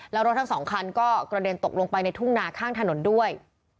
แล้วรถทั้งสองคันก็กระเด็นตกลงไปในทุ่งนาข้างถนนด้วย